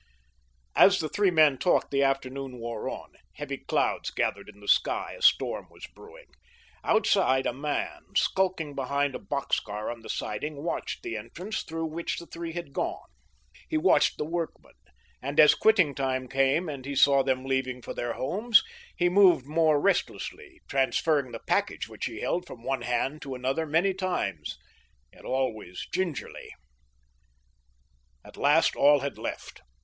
As the three men talked the afternoon wore on. Heavy clouds gathered in the sky; a storm was brewing. Outside, a man, skulking behind a box car on the siding, watched the entrance through which the three had gone. He watched the workmen, and as quitting time came and he saw them leaving for their homes he moved more restlessly, transferring the package which he held from one hand to another many times, yet always gingerly. At last all had left.